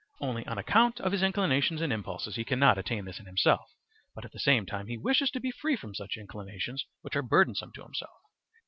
Only on account of his inclinations and impulses he cannot attain this in himself, but at the same time he wishes to be free from such inclinations which are burdensome to himself.